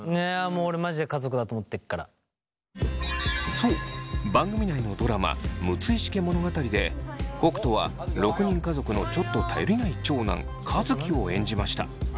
そう番組内のドラマ「六石家物語」で北斗は６人家族のちょっと頼りない長男和樹を演じました。